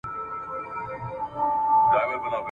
موږ بايد خپل وخت په ګټه وکاروو او بېځايه کارونه پرېږدو !.